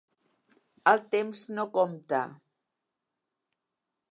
E l temps no compta.